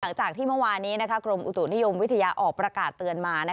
หลังจากที่เมื่อวานนี้กรมอุตุนิยมวิทยาออกประกาศเตือนมา